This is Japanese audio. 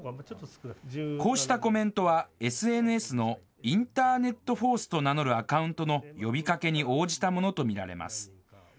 こうしたコメントは、ＳＮＳのインターネットフォースと名乗るアカウントの呼びかけに応じたものと見られます。